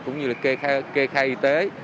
cũng như là kê khai y tế